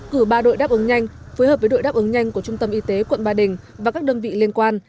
cử ba đội đáp ứng nhanh phối hợp với đội đáp ứng nhanh của trung tâm y tế quận ba đình và các đơn vị liên quan